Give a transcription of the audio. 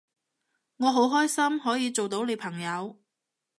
我好開心可以做到你朋友